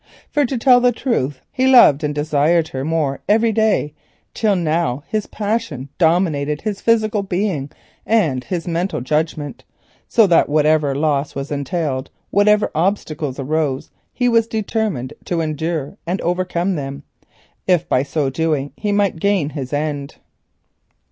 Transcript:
For he loved her more every day, till now his passion dominated his physical being and his mental judgment, so that whatever loss was entailed, and whatever obstacles arose, he was determined to endure and overcome them if by so doing he might gain his end.